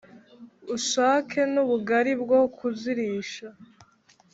Ushake n'ubugali bwo kuzirisha